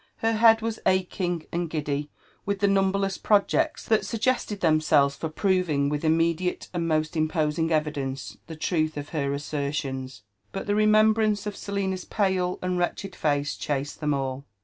Her head was aching and giddy with thte numberless projects that suggested themselves for proving with inhmediate and most im posing evidence the truth of her assertions> but the reniembrance df Selina's pale and wretched face chased them all.